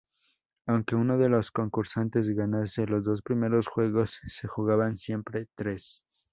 Aunque uno de los concursantes ganase los dos primeros juegos, se jugaban siempre tres.